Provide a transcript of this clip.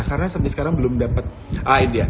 karena sampai sekarang belum dapat idea